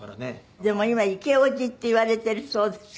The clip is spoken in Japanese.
でも今イケおじって言われているそうですけど。